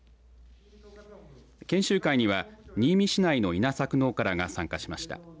研修会には新見市内の稲作農家らが参加しました。